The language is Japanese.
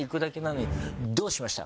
「どうしました？」